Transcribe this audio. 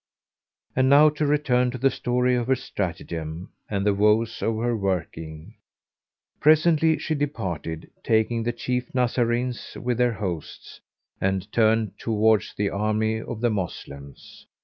And now to return to the story of her stratagem and the woes of her working. Presently she departed, taking the chief Nazarenes with their hosts, and turned towards the army of the Moslems.